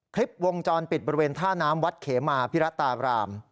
คลิปวงจรปิดบริเวณท่าน้ำวัดเขมาพิรัตราราม